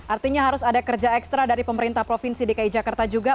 artinya harus ada kerja ekstra dari pemerintah provinsi dki jakarta juga